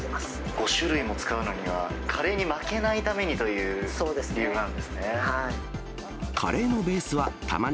５種類も使うのにはカレーに負けないためにという理由なんですね。